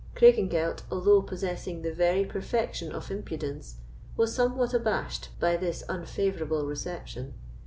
Craigengelt, although possessing the very perfection of impudence, was somewhat abashed by this unfavourable reception.